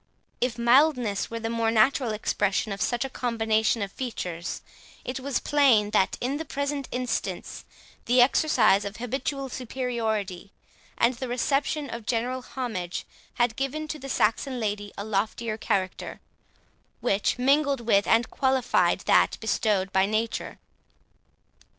If mildness were the more natural expression of such a combination of features, it was plain, that in the present instance, the exercise of habitual superiority, and the reception of general homage, had given to the Saxon lady a loftier character, which mingled with and qualified that bestowed by nature.